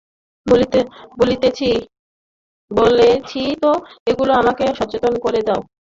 বলেছি তো, ওগুলো আমাকে অচেতন করে দেয়।